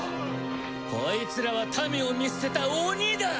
こいつらは民を見捨てた鬼だ！